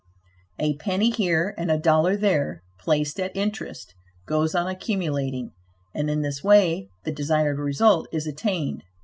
A penny here, and a dollar there, placed at interest, goes on accumulating, and in this way the desired result is attained.